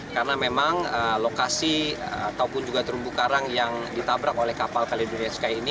karena memang lokasi ataupun juga terumbu karang yang ditabrak oleh kapal caledonian sky ini